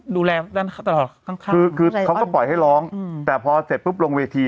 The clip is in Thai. ดูแลด้านเขาตลอดข้างข้างคือคือเขาก็ปล่อยให้ร้องอืมแต่พอเสร็จปุ๊บลงเวที